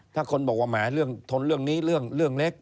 ถ้าคนบอกว่าแหมเรื่องทนเรื่องนี้เรื่องเล็ก